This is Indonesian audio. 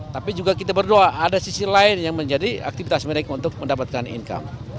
tapi juga kita berdoa ada sisi lain yang menjadi aktivitas mereka untuk mendapatkan income